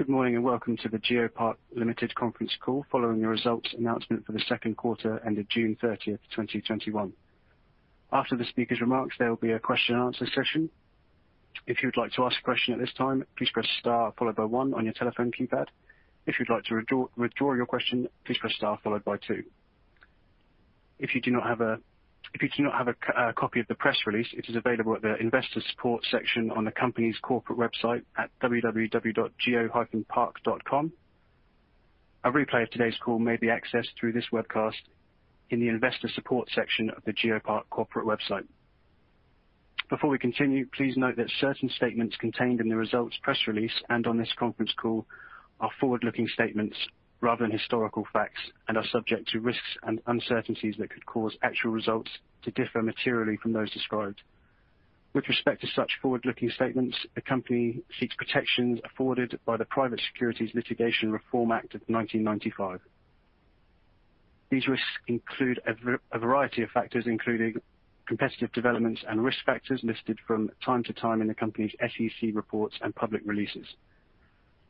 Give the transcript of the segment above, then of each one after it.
Good morning, and welcome to the GeoPark Limited conference call following the results announcement for the second quarter ended June 30, 2021. If you do not have a copy of the press release, it is available at the investor support section on the company's corporate website at www.geopark.com. A replay of today's call may be accessed through this webcast in the investor support section of the GeoPark corporate website. Before we continue, please note that certain statements contained in the results press release and on this conference call are forward-looking statements rather than historical facts and are subject to risks and uncertainties that could cause actual results to differ materially from those described. With respect to such forward-looking statements, the company seeks protections afforded by the Private Securities Litigation Reform Act of 1995. These risks include a variety of factors, including competitive developments and risk factors listed from time to time in the company's SEC reports and public releases.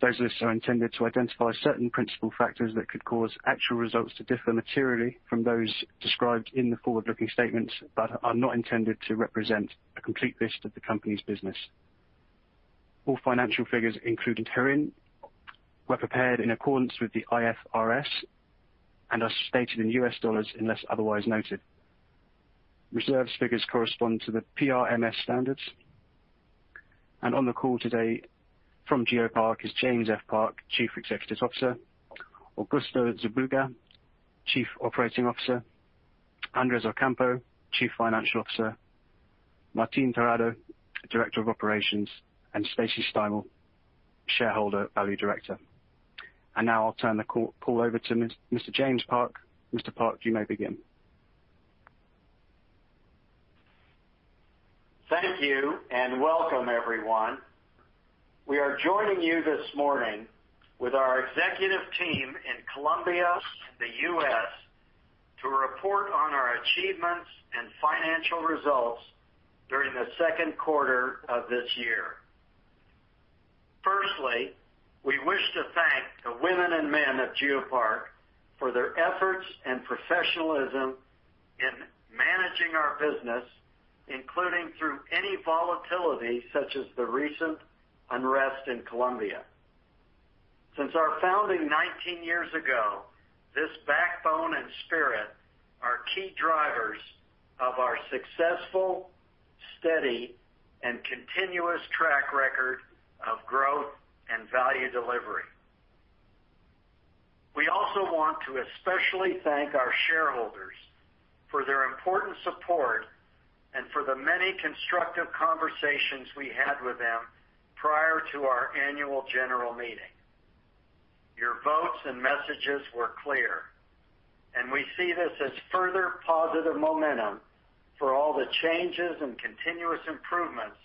Those risks are intended to identify certain principal factors that could cause actual results to differ materially from those described in the forward-looking statements but are not intended to represent a complete list of the company's business. All financial figures included herein were prepared in accordance with the IFRS and are stated in US dollars unless otherwise noted. Reserves figures correspond to the PRMS standards. On the call today from GeoPark is James F. Park, Chief Executive Officer, Augusto Zubillaga, Chief Operating Officer, Andres Ocampo, Chief Financial Officer, Martin Tirado, Director of Operations, and Stacy Steimel, Shareholder Value Director. Now I'll turn the call over to Mr. James Park. Mr. Park, you may begin. Thank you, and welcome everyone. We are joining you this morning with our executive team in Colombia and the U.S. to report on our achievements and financial results during the second quarter of this year. Firstly, we wish to thank the women and men of GeoPark for their efforts and professionalism in managing our business, including through any volatility such as the recent unrest in Colombia. Since our founding 19 years ago, this backbone and spirit are key drivers of our successful, steady, and continuous track record of growth and value delivery. We also want to especially thank our shareholders for their important support and for the many constructive conversations we had with them prior to our annual general meeting. Your votes and messages were clear. We see this as further positive momentum for all the changes and continuous improvements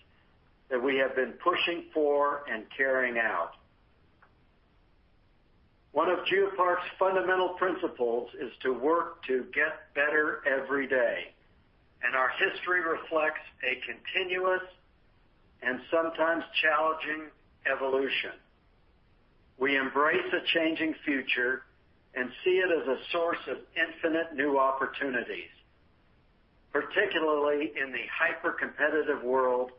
that we have been pushing for and carrying out. One of GeoPark's fundamental principles is to work to get better every day, and our history reflects a continuous and sometimes challenging evolution. We embrace a changing future and see it as a source of infinite new opportunities, particularly in the hyper-competitive world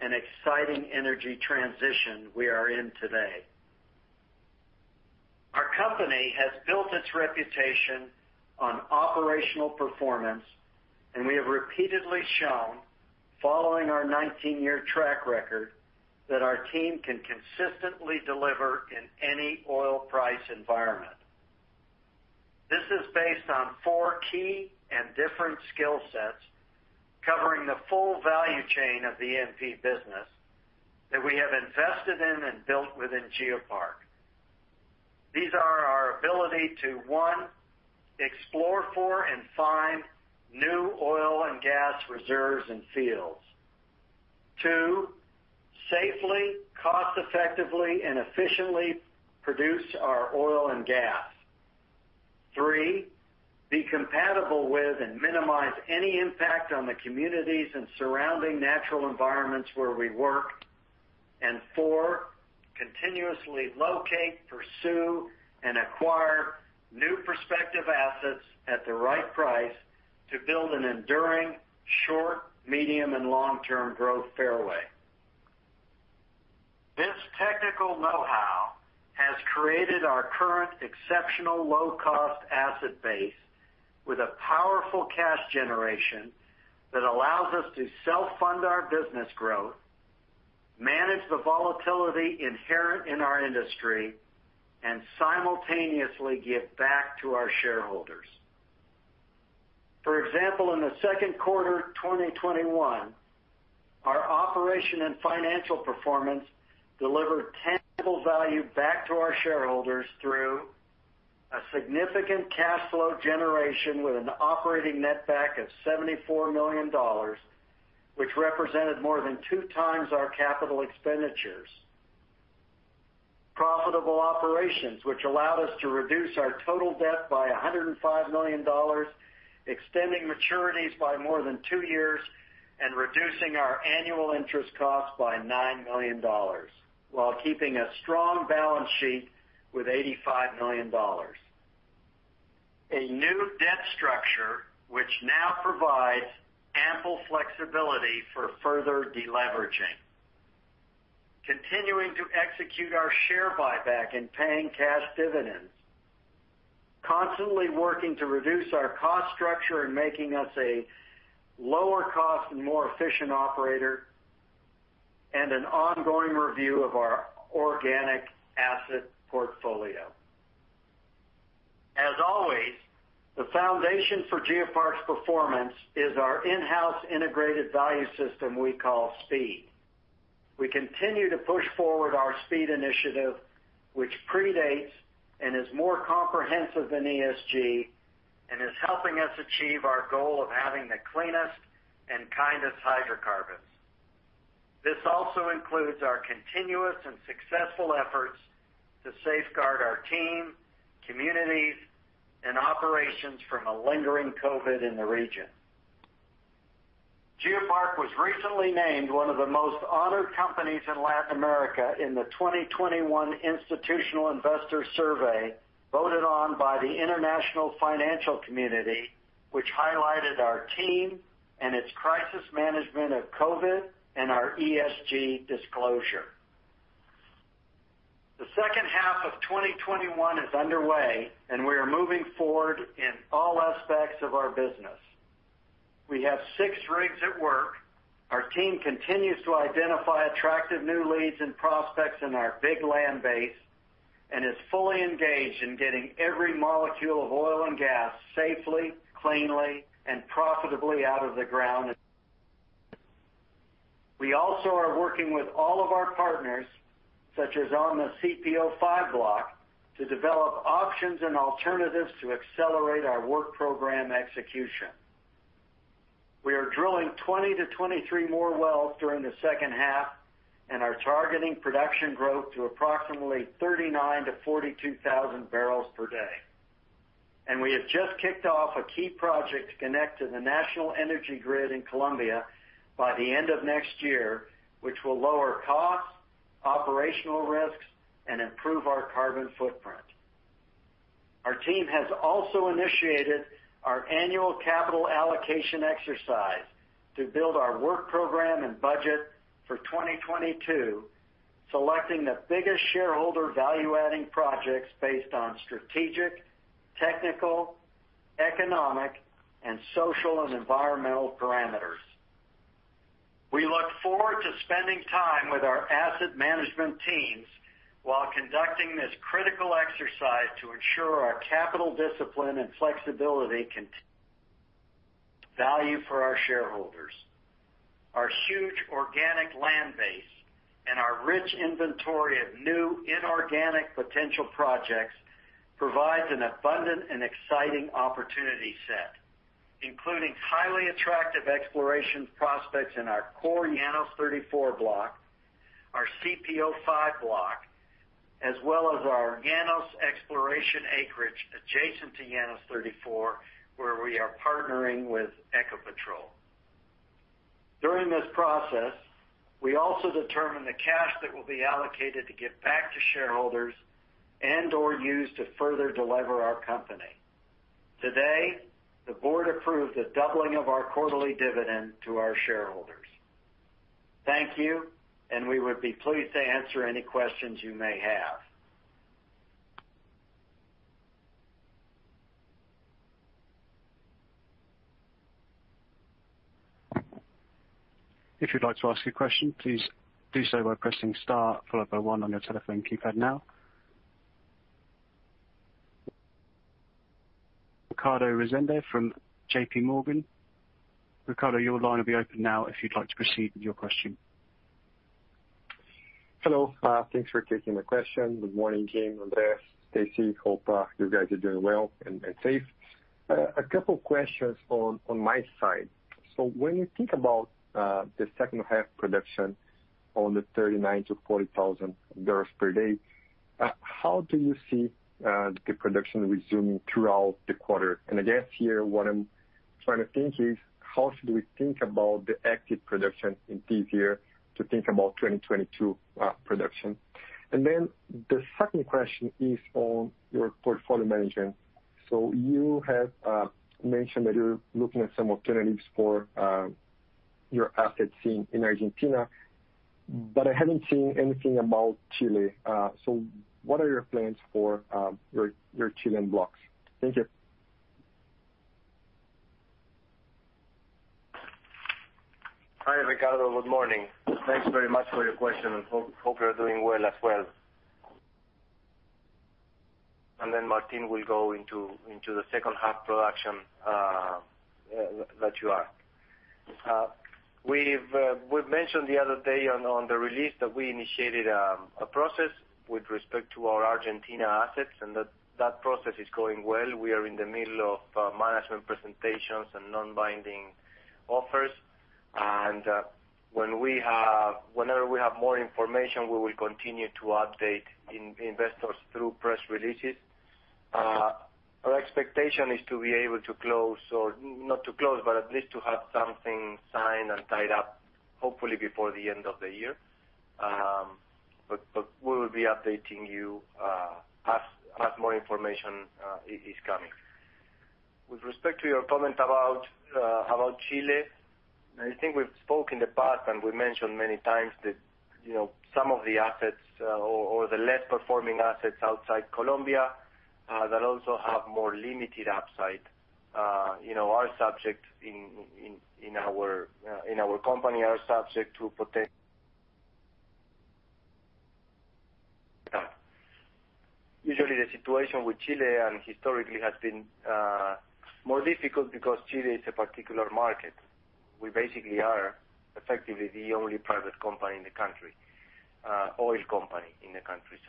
and exciting energy transition we are in today. Our company has built its reputation on operational performance, and we have repeatedly shown following our 19-year track record that our team can consistently deliver in any oil price environment. This is based on four key and different skill sets covering the full value chain of the E&P business that we have invested in and built within GeoPark. These are our ability to, one, explore for and find new oil and gas reserves and fields. Two, safely, cost effectively, and efficiently produce our oil and gas. Three, be compatible with and minimize any impact on the communities and surrounding natural environments where we work. four, continuously locate, pursue, and acquire new prospective assets at the right price to build an enduring short, medium, and long-term growth fairway. This technical know-how has created our current exceptional low-cost asset base with a powerful cash generation that allows us to self-fund our business growth, manage the volatility inherent in our industry, and simultaneously give back to our shareholders. For example, in the second quarter 2021, our operation and financial performance delivered tangible value back to our shareholders through a significant cash flow generation with an operating netback of $74 million, which represented more than 2x our capital expenditures. Profitable operations, which allowed us to reduce our total debt by $105 million, extending maturities by more than two years and reducing our annual interest costs by $9 million while keeping a strong balance sheet with $85 million. A new debt structure, which now provides ample flexibility for further deleveraging. Continuing to execute our share buyback and paying cash dividends. Constantly working to reduce our cost structure and making us a lower cost and more efficient operator. An ongoing review of our organic asset portfolio. As always, the foundation for GeoPark's performance is our in-house integrated value system we call SPEED. We continue to push forward our SPEED initiative, which predates and is more comprehensive than ESG, and is helping us achieve our goal of having the cleanest and kindest hydrocarbons. This also includes our continuous and successful efforts to safeguard our team, communities, and operations from a lingering COVID in the region. GeoPark was recently named one of the most honored companies in Latin America in the 2021 Institutional Investor survey, voted on by the international financial community, which highlighted our team and its crisis management of COVID, and our ESG disclosure. The second half of 2021 is underway, and we are moving forward in all aspects of our business. We have six rigs at work. Our team continues to identify attractive new leads and prospects in our big land base, and is fully engaged in getting every molecule of oil and gas safely, cleanly, and profitably out of the ground. We also are working with all of our partners, such as on the CPO-5 block, to develop options and alternatives to accelerate our work program execution. We are drilling 20 to 23 more wells during the second half, and are targeting production growth to approximately 39,000-42,000 barrels per day. We have just kicked off a key project to connect to the national energy grid in Colombia by the end of next year, which will lower costs, operational risks, and improve our carbon footprint. Our team has also initiated our annual capital allocation exercise to build our work program and budget for 2022, selecting the biggest shareholder value-adding projects based on strategic, technical, economic, and social and environmental parameters. We look forward to spending time with our asset management teams while conducting this critical exercise to ensure our capital discipline and flexibility can value for our shareholders. Our huge organic land base and our rich inventory of new inorganic potential projects provides an abundant and exciting opportunity set, including highly attractive exploration prospects in our core Llanos 34 block, our CPO-5 block, as well as our Llanos exploration acreage adjacent to Llanos 34, where we are partnering with Ecopetrol. During this process, we also determine the cash that will be allocated to give back to shareholders and/or use to further delever our company. Today, the board approved the doubling of our quarterly dividend to our shareholders. Thank you, and we would be pleased to answer any questions you may have. If you would like to ask a question please do do by pressing star one on your telephone keypad now. Ricardo Rezende from JPMorgan. Ricardo, your line will be open now if you'd like to proceed with your question. Hello. Thanks for taking the question. Good morning, Jim, Andrés, Stacy. Hope you guys are doing well and safe. A couple questions on my side. When you think about the second half production on the 39,000 to 40,000 barrels per day, how do you see the production resuming throughout the quarter? I guess here what I'm trying to think is how should we think about the active production in this year to think about 2022 production? The second question is on your portfolio management. You have mentioned that you're looking at some alternatives for your assets in Argentina, but I haven't seen anything about Chile. What are your plans for your Chilean blocks? Thank you. Hi, Ricardo. Good morning. Thanks very much for your question, and hope you're doing well as well. Martin will go into the second half production that you asked. We've mentioned the other day on the release that we initiated a process with respect to our Argentina assets, and that process is going well. We are in the middle of management presentations and non-binding offers. Whenever we have more information, we will continue to update investors through press releases. Our expectation is to be able to close or not to close, but at least to have something signed and tied up, hopefully before the end of the year. We will be updating you as more information is coming. With respect to your comment about Chile, I think we've spoke in the past, and we mentioned many times that some of the assets or the less performing assets outside Colombia that also have more limited upside, are subject in our company, are subject to protect. Usually, the situation with Chile historically has been more difficult because Chile is a particular market. We basically are effectively the only private company in the country, oil company in the country.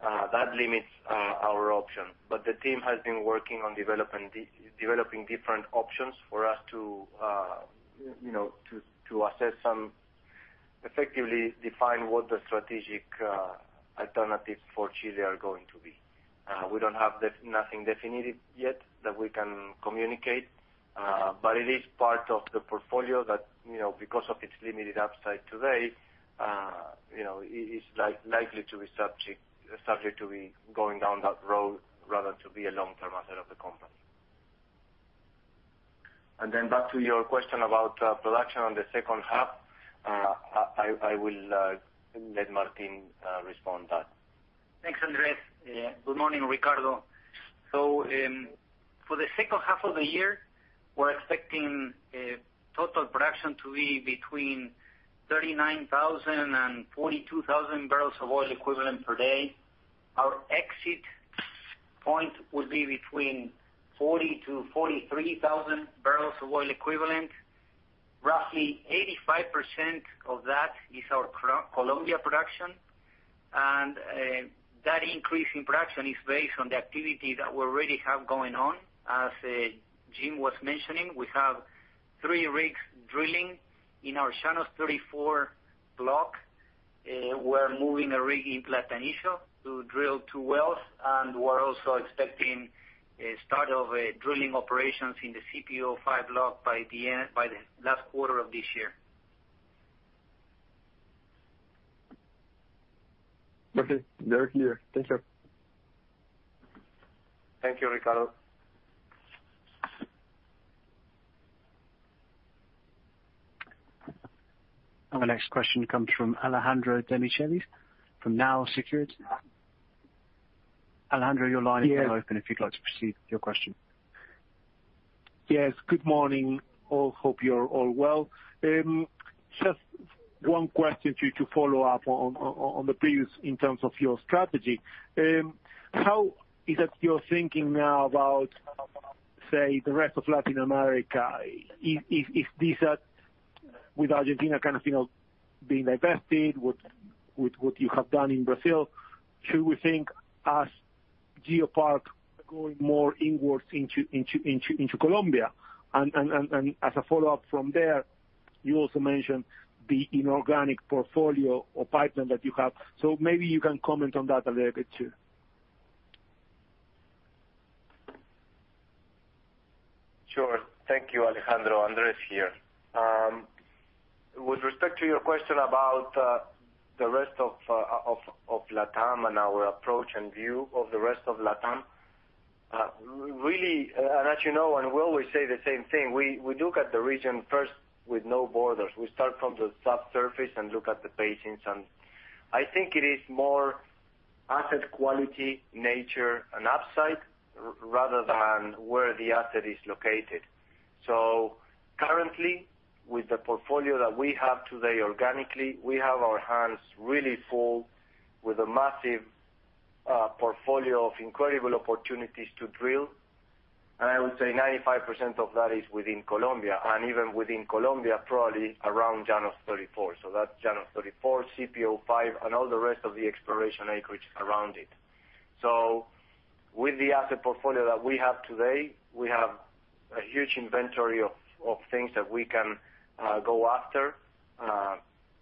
That limits our option. The team has been working on developing different options for us to assess and effectively define what the strategic alternatives for Chile are going to be. We don't have nothing definitive yet that we can communicate, but it is part of the portfolio that, because of its limited upside today, is likely to be subject to be going down that road rather than to be a long-term asset of the company. Back to your question about production on the second half. I will let Martin respond to that. Thanks, Andres. Good morning, Ricardo. For the second half of the year, we're expecting total production to be between 39,000 and 42,000 barrels of oil equivalent per day. Our exit point will be between 40,000 to 43,000 barrels of oil equivalent. Roughly 85% of that is our Colombia production. That increase in production is based on the activity that we already have going on. As Jim was mentioning, we have three rigs drilling in our Llanos 34 block. We're moving a rig into Platanillo to drill two wells, and we're also expecting a start of drilling operations in the CPO-5 block by the last quarter of this year. Okay. Very clear. Thank you. Thank you, Ricardo. Our next question comes from Alejandro Demichelis from Nau Securities. Alejandro, your line is now open if you'd like to proceed with your question. Yes. Good morning, all. Hope you're all well. Just one question to you to follow up on the previous in terms of your strategy. How is it you're thinking now about, say, the rest of Latin America? If this had, with Argentina kind of being divested, with what you have done in Brazil, should we think as GeoPark going more inwards into Colombia? As a follow-up from there, you also mentioned the inorganic portfolio or pipeline that you have. Maybe you can comment on that a little bit too. Sure. Thank you, Alejandro. Andres here. With respect to your question about the rest of Latam and our approach and view of the rest of Latam. Really, as you know, we always say the same thing, we look at the region first with no borders. We start from the subsurface and look at the basins, I think it is more asset quality, nature, and upside rather than where the asset is located. Currently, with the portfolio that we have today organically, we have our hands really full with a massive portfolio of incredible opportunities to drill. I would say 95% of that is within Colombia. Even within Colombia, probably around Llanos 34. That's Llanos 34, CPO-5, and all the rest of the exploration acreage around it. With the asset portfolio that we have today, we have a huge inventory of things that we can go after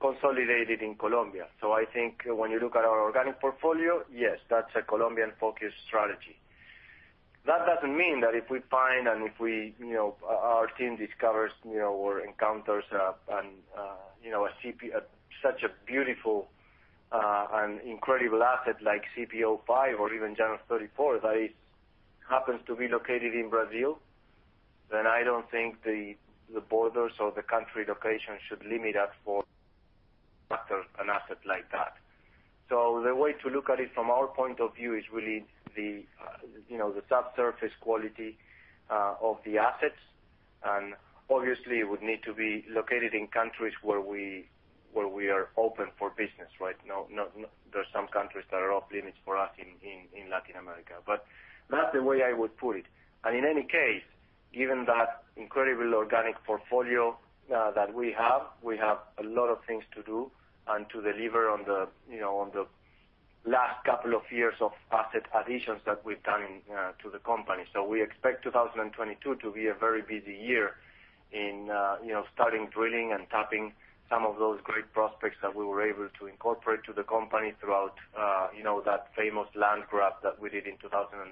consolidated in Colombia. I think when you look at our organic portfolio, yes, that's a Colombian-focused strategy. That doesn't mean that if we find, and if our team discovers or encounters such a beautiful and incredible asset like CPO-5 or even Llanos 34 that happens to be located in Brazil, then I don't think the borders or the country location should limit us for factors, an asset like that. The way to look at it from our point of view is really the subsurface quality of the assets, and obviously, it would need to be located in countries where we are open for business, right? There's some countries that are off limits for us in Latin America. That's the way I would put it. In any case, given that incredible organic portfolio that we have, we have a lot of things to do and to deliver on the last couple of years of asset additions that we've done to the company. We expect 2022 to be a very busy year in starting drilling and tapping some of those great prospects that we were able to incorporate to the company throughout that famous land grab that we did in 2019.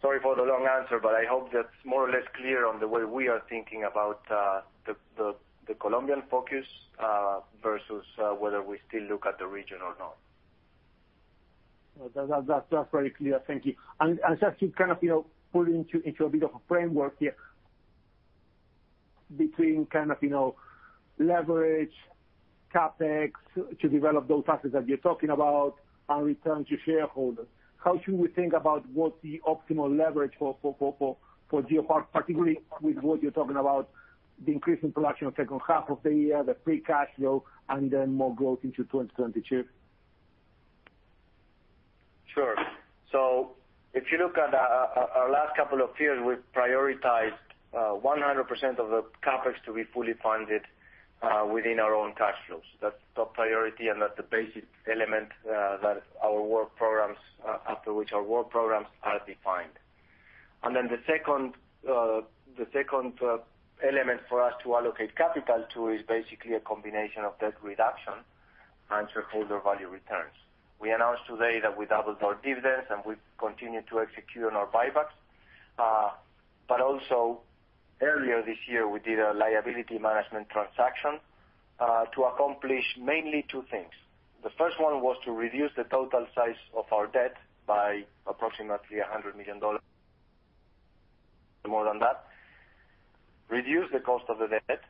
Sorry for the long answer, but I hope that's more or less clear on the way we are thinking about the Colombian focus versus whether we still look at the region or not. That's very clear. Thank you. Just to kind of pull into a bit of a framework here between leverage, CapEx to develop those assets that you're talking about, and return to shareholders. How should we think about what the optimal leverage for GeoPark, particularly with what you're talking about, the increase in production of second half of the year, the free cash flow, and then more growth into 2022? Sure. If you look at our last couple of years, we've prioritized 100% of the CapEx to be fully funded within our own cash flows. That's top priority, and that's the basic element after which our work programs are defined. The second element for us to allocate capital to is basically a combination of debt reduction and shareholder value returns. We announced today that we doubled our dividends, and we've continued to execute on our buybacks. Also, earlier this year, we did a liability management transaction to accomplish mainly two things. The first one was to reduce the total size of our debt by approximately $100 million. More than that, reduce the cost of the debt,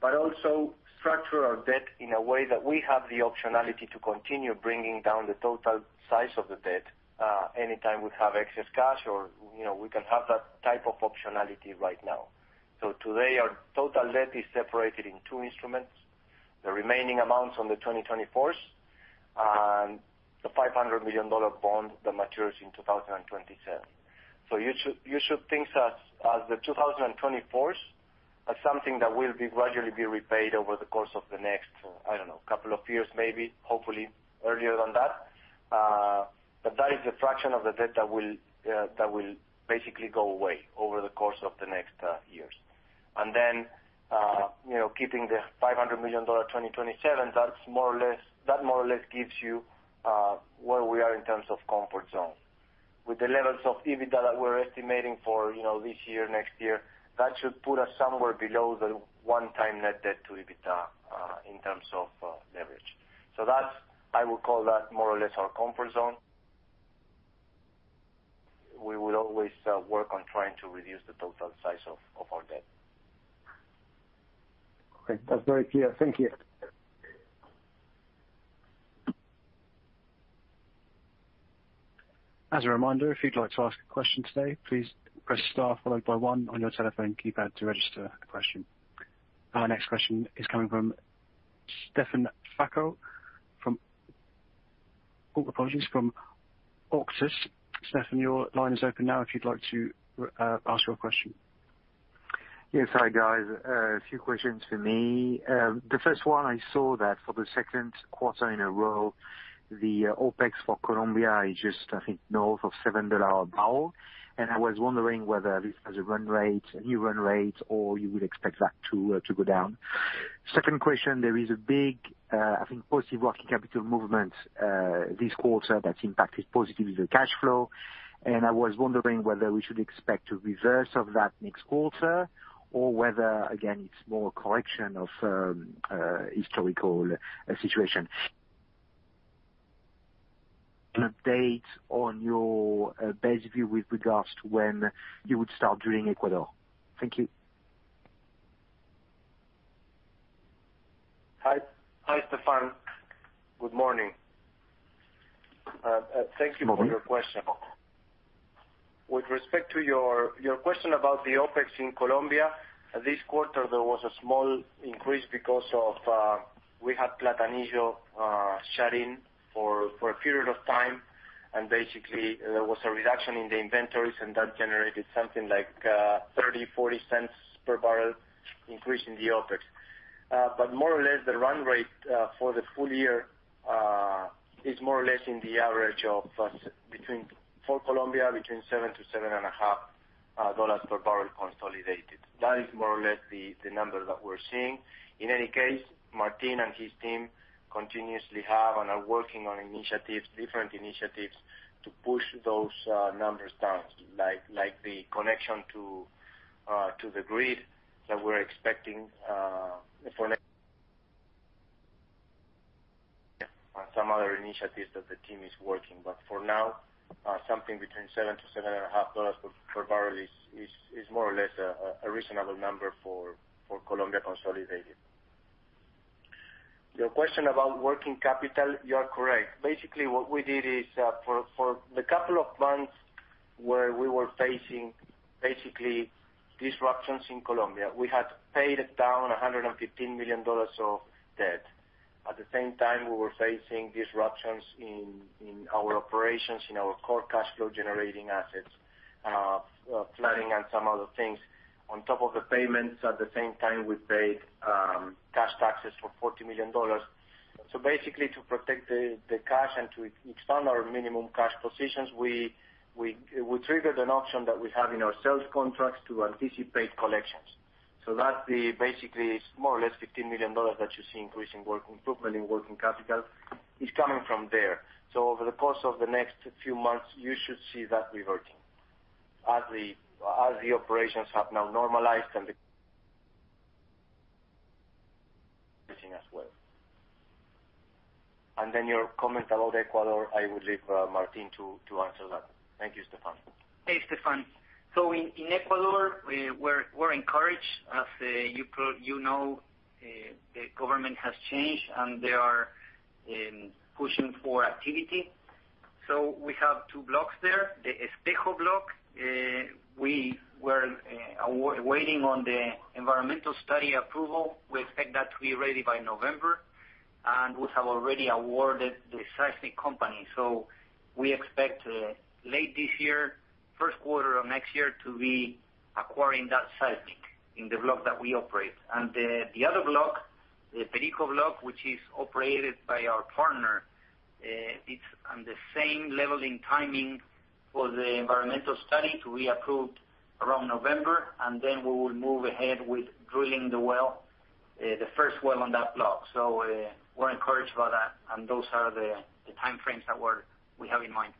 but also structure our debt in a way that we have the optionality to continue bringing down the total size of the debt anytime we have excess cash, or we can have that type of optionality right now. Today, our total debt is separated in two instruments, the remaining amounts on the 2024s and the $500 million bond that matures in 2027. You should think as the 2024s as something that will be gradually be repaid over the course of the next, I don't know, two years, maybe, hopefully earlier than that. That is the fraction of the debt that will basically go away over the course of the next years. Keeping the $500 million 2027, that more or less gives you where we are in terms of comfort zone. With the levels of EBITDA that we're estimating for this year, next year, that should put us somewhere below the 1x net debt to EBITDA in terms of leverage. That, I would call that more or less our comfort zone. We will always work on trying to reduce the total size of our debt. Okay. That's very clear. Thank you. As a reminder, if you'd like to ask a question today, please press star followed by one on your telephone keypad to register a question. Our next question is coming from Stephane Foucaud from Oh, apologies, from Auctus. Stephane, your line is open now if you'd like to ask your question. Yes. Hi, guys. A few questions from me. The first one, I saw that for the second quarter in a row, the OPEX for Colombia is just, I think, north of $7 a barrel, and I was wondering whether this has a new run rate, or you would expect that to go down. Second question, there is a big, I think, positive working capital movement this quarter that's impacted positively the cash flow, and I was wondering whether we should expect a reverse of that next quarter or whether, again, it's more a correction of historical situation. An update on your base view with regards to when you would start drilling Ecuador. Thank you. Hi, Stephane. Good morning. Thank you for your question. With respect to your question about the OPEX in Colombia, this quarter, there was a small increase because of, we had Platanillo shut in for a period of time, and basically, there was a reduction in the inventories, and that generated something like $0.30 to $0.40 per barrel increase in the OPEX. More or less, the run rate for the full year is more or less in the average of between, for Colombia, between $7 to $7.50 per barrel consolidated. That is more or less the number that we're seeing. In any case, Martin and his team continuously have and are working on initiatives, different initiatives to push those numbers down, like the connection to the grid that we're expecting for and some other initiatives that the team is working. For now, something between $7 to $7.50 per barrel is more or less a reasonable number for Colombia consolidated. Your question about working capital, you are correct. Basically, what we did, for the couple of months where we were facing basically disruptions in Colombia. We had paid down $115 million of debt. At the same time, we were facing disruptions in our operations, in our core cash flow-generating assets, flooding and some other things. On top of the payments, at the same time, we paid cash taxes for $40 million. To protect the cash and to expand our minimum cash positions, we triggered an option that we have in our sales contracts to anticipate collections. That basically is more or less $15 million that you see increase in working improvement, in working capital, is coming from there. Over the course of the next few months, you should see that reverting as the operations have now normalized and the as well. Your comment about Ecuador, I would leave Martin to answer that. Thank you, Stephane. Thanks, Stephane. In Ecuador, we're encouraged. As you know, the government has changed, and they are pushing for activity. We have 2 blocks there. The Espejo block, we were waiting on the environmental study approval. We expect that to be ready by November, and we have already awarded the seismic company. We expect late this year, first quarter of next year, to be acquiring that seismic in the block that we operate. The other block, the Perico block, which is operated by our partner, it's on the same level in timing for the environmental study to be approved around November, and then we will move ahead with drilling the first well on that block. We're encouraged by that, and those are the time frames that we have in mind.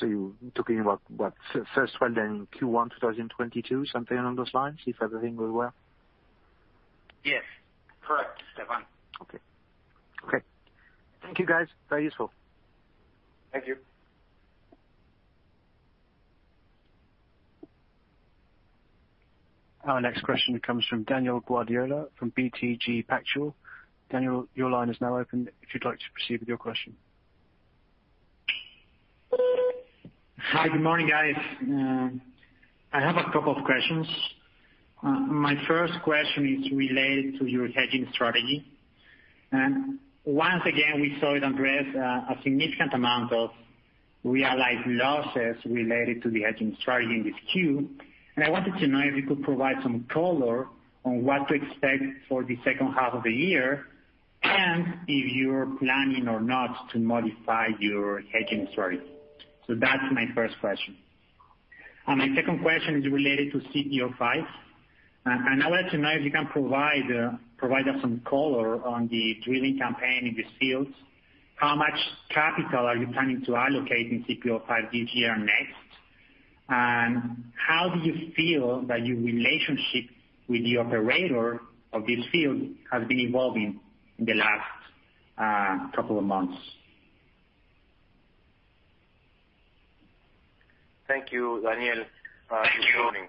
You're talking about what? First well then Q1 2022, something along those lines, if everything goes well? Yes. Correct, Stephane. Okay. Thank you, guys. Very useful. Thank you. Our next question comes from Daniel Guardiola from BTG Pactual. Daniel, your line is now open if you'd like to proceed with your question. Hi, good morning, guys. I have a couple of questions. My first question is related to your hedging strategy. Once again, we saw it address a significant amount of realized losses related to the hedging strategy in this Q, and I wanted to know if you could provide some color on what to expect for the second half of the year and if you're planning or not to modify your hedging strategy. That's my first question. My second question is related to CPO-5. I wanted to know if you can provide us some color on the drilling campaign in these fields. How much capital are you planning to allocate in CPO-5 this year and next? How do you feel that your relationship with the operator of this field has been evolving in the last couple of months? Thank you, Daniel. Good morning.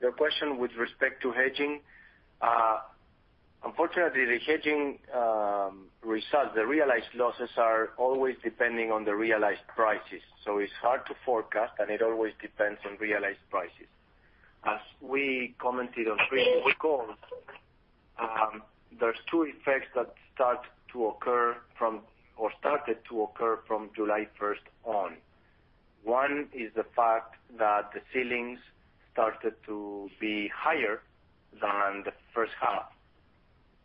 The question with respect to hedging. Unfortunately, the hedging result, the realized losses are always depending on the realized prices. It's hard to forecast, and it always depends on realized prices. As we commented on previous calls, there's two effects that start to occur from, or started to occur from July 1st on. One is the fact that the ceilings started to be higher than the first half,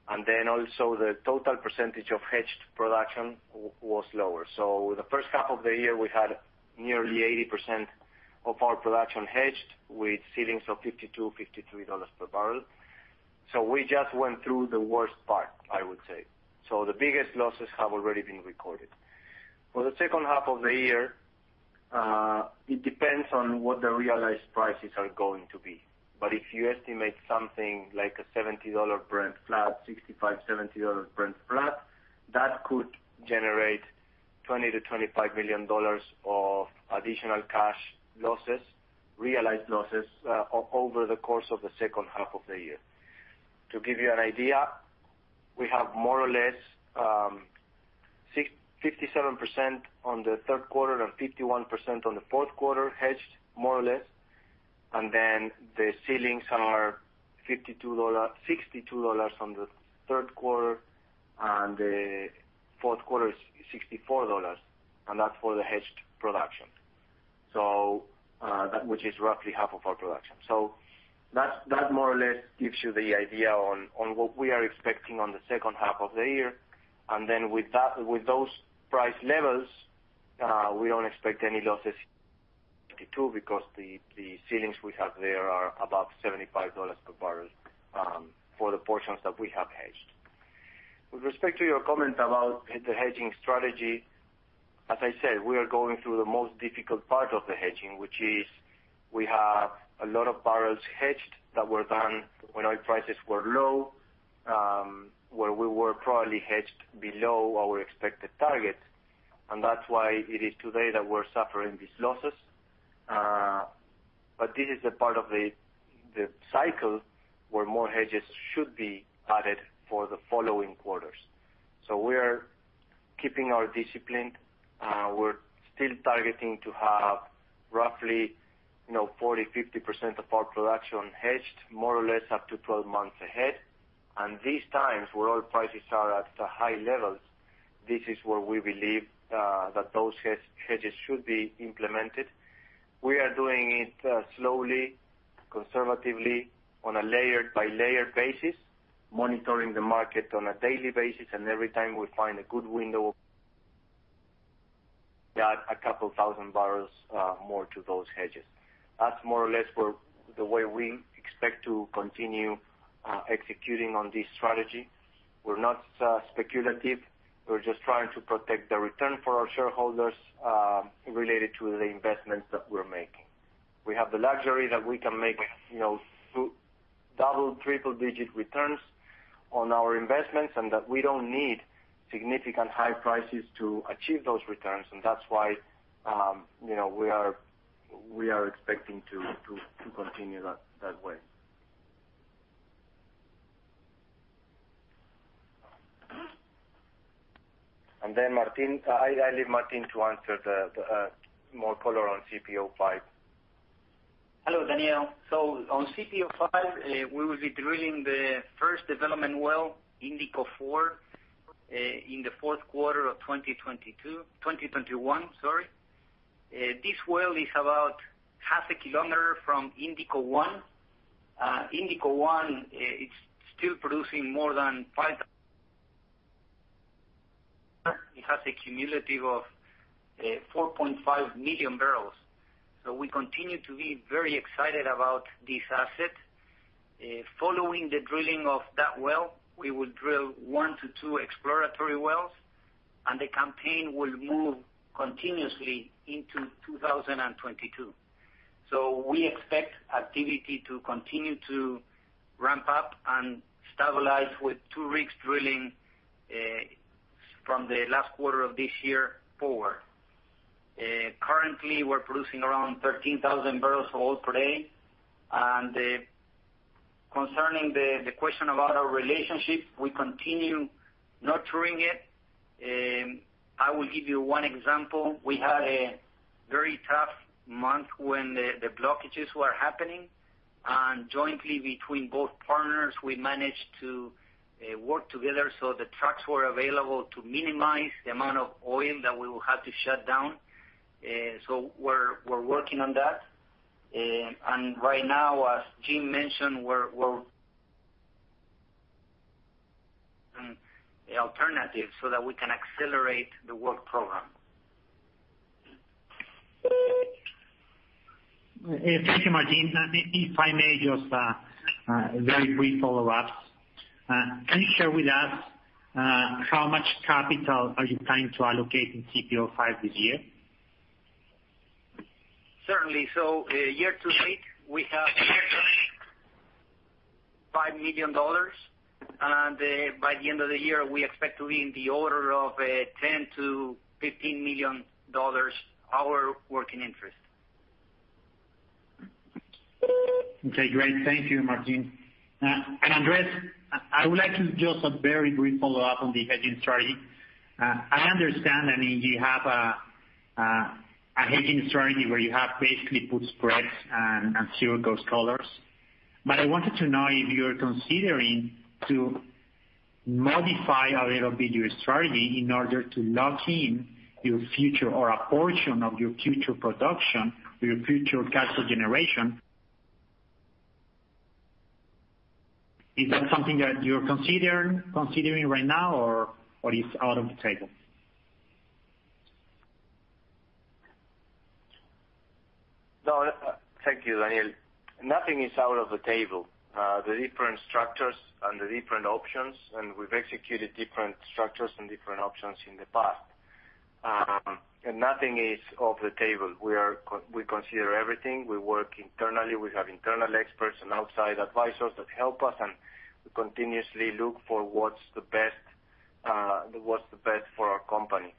and then also the total percentage of hedged production was lower. The first half of the year, we had nearly 80% of our production hedged with ceilings of $52, $53 per barrel. We just went through the worst part, I would say. The biggest losses have already been recorded. For the second half of the year, it depends on what the realized prices are going to be. If you estimate something like a $70 Brent flat, $65, $70 Brent flat, that could generate $20 to 25 million of additional cash losses, realized losses, over the course of the second half of the year. To give you an idea, we have more or less 57% on the third quarter and 51% on the fourth quarter hedged, more or less. The ceilings are $62 on the third quarter, and the fourth quarter is $64, and that's for the hedged production, which is roughly half of our production. That more or less gives you the idea on what we are expecting on the second half of the year. With those price levels, we don't expect any losses in Q2 because the ceilings we have there are above $75 per barrel for the portions that we have hedged. With respect to your comment about the hedging strategy, as I said, we are going through the most difficult part of the hedging, which is we have a lot of barrels hedged that were done when oil prices were low, where we were probably hedged below our expected target. That's why it is today that we're suffering these losses. This is the part of the cycle where more hedges should be added for the following quarters. We are keeping our discipline. We're still targeting to have roughly 40%, 50% of our production hedged, more or less up to 12 months ahead. These times, where oil prices are at high levels, this is where we believe that those hedges should be implemented. We are doing it slowly, conservatively on a layer-by-layer basis, monitoring the market on a daily basis, and every time we find a good window, we add a couple thousand barrels more to those hedges. That's more or less the way we expect to continue executing on this strategy. We're not speculative. We're just trying to protect the return for our shareholders related to the investments that we're making. We have the luxury that we can make double, triple-digit returns on our investments, and that we don't need significant high prices to achieve those returns. That's why we are expecting to continue that way. Then Martin, I leave Martin to answer more color on CPO-5. Hello, Daniel. On CPO-5, we will be drilling the first development well, Indigo 4, in the fourth quarter of 2021. This well is about half a kilometer from Indigo 1. Indigo 1 is still producing. It has a cumulative of 4.5 million barrels. We continue to be very excited about this asset. Following the drilling of that well, we will drill 1-2 exploratory wells. The campaign will move continuously into 2022. We expect activity to continue to ramp up and stabilize with two rigs drilling from the last quarter of this year forward. Currently, we're producing around 13,000 barrels of oil per day. Concerning the question about our relationship, we continue nurturing it. I will give you one example. We had a very tough month when the blockages were happening, and jointly between both partners, we managed to work together so the trucks were available to minimize the amount of oil that we will have to shut down. We're working on that. Right now, as Jim mentioned, we're working alternatives so that we can accelerate the work program. Thank you, Martin. If I may, just a very brief follow-up. Can you share with us how much capital are you trying to allocate in CPO-5 this year? Certainly. Year to date, we have allocated $5 million, and by the end of the year, we expect to be in the order of $10 to 15 million our working interest. Okay, great. Thank you, Martin. Andres, I would like to just a very brief follow-up on the hedging strategy. I understand that you have a hedging strategy where you have basically put spreads and secured those covers. I wanted to know if you are considering to modify a little bit your strategy in order to lock in your future or a portion of your future production or your future cash flow generation. Is that something that you're considering right now, or is out of the table? Thank you, Daniel. Nothing is out of the table. The different structures and the different options, and we've executed different structures and different options in the past. Nothing is off the table. We consider everything. We work internally. We have internal experts and outside advisors that help us, and we continuously look for what's the best for our company.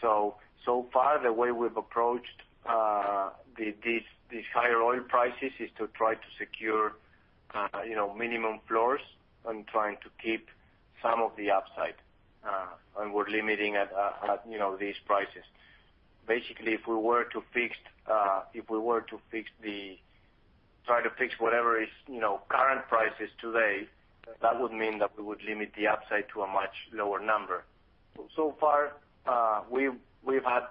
So far, the way we've approached these higher oil prices is to try to secure minimum floors and trying to keep some of the upside, and we're limiting at these prices. Basically, if we were to try to fix whatever is current prices today, that would mean that we would limit the upside to a much lower number. So far, we've had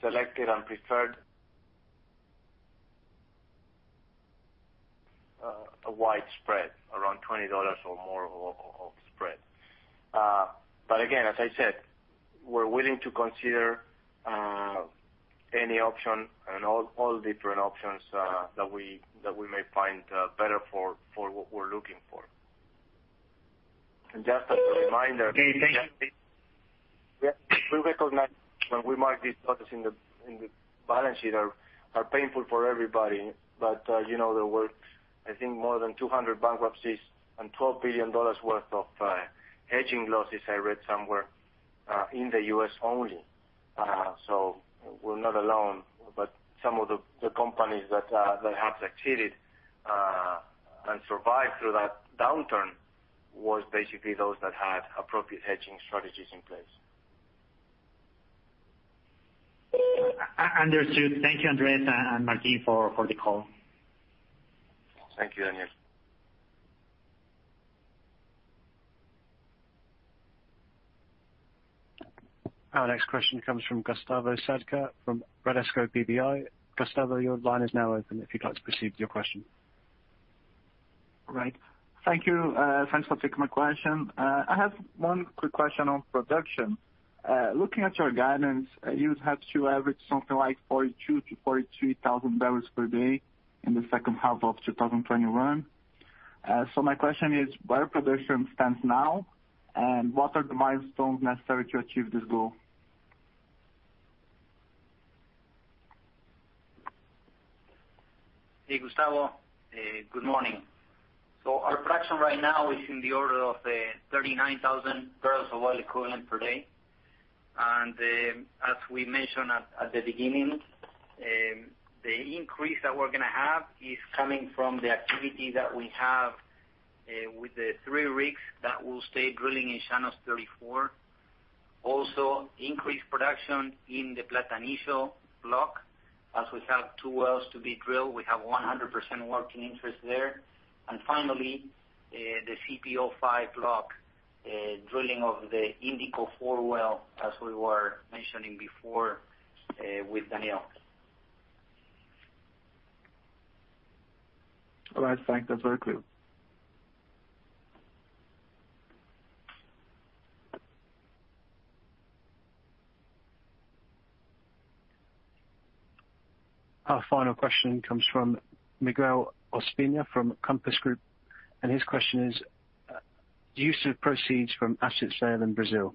selected and preferred a wide spread, around $20 or more of spread. Again, as I said, we're willing to consider any option and all different options that we may find better for what we're looking for. Just as a reminder. Okay. Thank you. Yeah. We recognize when we mark these losses in the balance sheet are painful for everybody. There were, I think, more than 200 bankruptcies and $12 billion worth of hedging losses I read somewhere, in the U.S. only. We're not alone, but some of the companies that have succeeded and survived through that downturn was basically those that had appropriate hedging strategies in place. Understood. Thank you, Andres and Martin for the call. Thank you, Daniel. Our next question comes from Gustavo Sadka from Bradesco BBI. Gustavo, your line is now open if you'd like to proceed with your question. Right. Thank you. Thanks for taking my question. I have one quick question on production. Looking at your guidance, you had to average something like 42,000 to 43,000 barrels per day in the second half of 2021. My question is, where production stands now, and what are the milestones necessary to achieve this goal? Hey, Gustavo. Good morning. Our production right now is in the order of 39,000 barrels of oil equivalent per day. As we mentioned at the beginning, the increase that we're going to have is coming from the activity that we have, with the three rigs that will stay drilling in Llanos 34. Also, increased production in the Platanillo, as we have two wells to be drilled. We have 100% working interest there. Finally, the CPO-5, drilling of the Indigo 4 well as we were mentioning before, with Daniel. All right, thanks. That's very clear. Our final question comes from Miguel Ospina from Compass Group. His question is use of proceeds from asset sale in Brazil.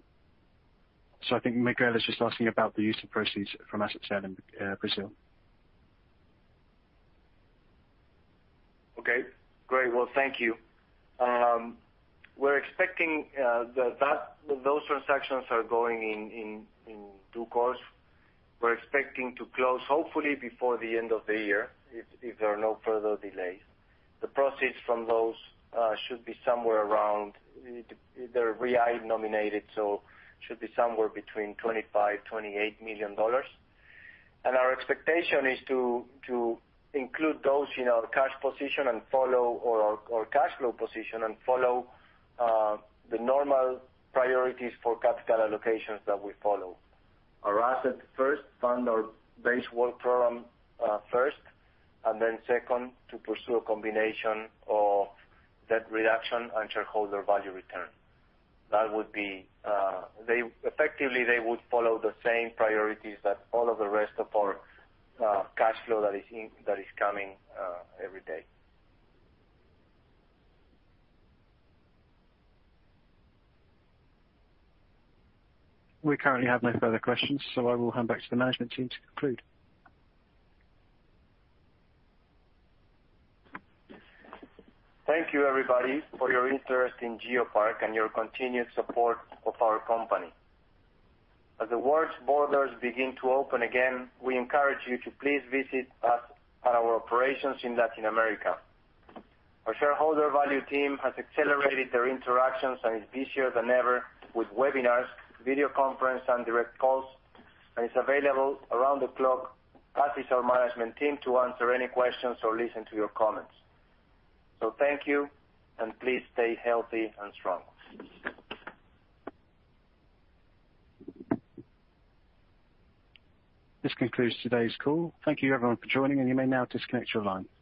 I think Miguel is just asking about the use of proceeds from asset sale in Brazil. Okay, great. Well, thank you. We're expecting those transactions are going in due course. We're expecting to close, hopefully before the end of the year, if there are no further delays. The proceeds from those, should be somewhere around They're real-denominated, so should be somewhere between $25 to 28 million. Our expectation is to include those in our cash position or our cash flow position, and follow the normal priorities for capital allocations that we follow. Our asset first fund or base work program first, and then second to pursue a combination of debt reduction and shareholder value return. Effectively they would follow the same priorities that all of the rest of our cash flow that is coming every day. We currently have no further questions, so I will hand back to the management team to conclude. Thank you everybody for your interest in GeoPark and your continued support of our company. As the world's borders begin to open again, we encourage you to please visit us at our operations in Latin America. Our shareholder value team has accelerated their interactions and is busier than ever with webinars, video conference, and direct calls, and is available around the clock, as is our management team, to answer any questions or listen to your comments. Thank you, and please stay healthy and strong. This concludes today's call. Thank you everyone for joining, and you may now disconnect your line.